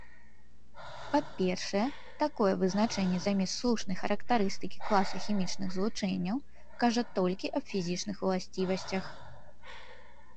Па-першае, такое вызначэнне замест слушнай характарыстыкі класа хімічных злучэнняў кажа толькі аб фізічных уласцівасцях.